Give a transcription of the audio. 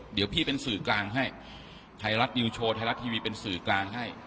เดี๋ยวพี่เป็นสื่อกลางให้ไทยรัฐนิวโชว์ไทยรัฐทีวีเป็นสื่อกลางให้